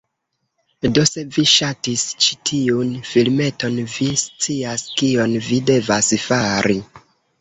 Do se vi ŝatis ĉi tiun filmeton, vi scias kion vi devas fari…